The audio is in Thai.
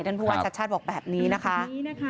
นั่นมองชัชชาธิ์บอกแบบนี้นะคะ